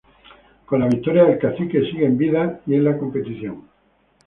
Con la victoria el cacique sigue en vida en la competición.